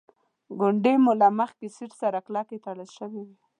ګونډې مو له مخکې سیټ سره کلکې تړل شوې وې.